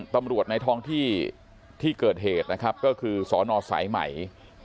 ตำรวจในทองที่เกิดเหตุนะครับก็คือสนสายไหม